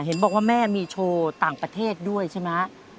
เห็นบอกว่าแม่มีโชว์ต่างประเทศด้วยใช่ไหม